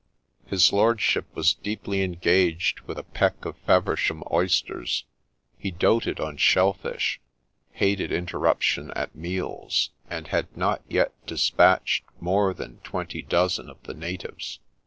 His lordship was deeply engaged with a peck of Feversham oysters, — he doted on shellfish, hated interruption at meals, and had not yet dispatched more than twenty dozen of the ' natives.'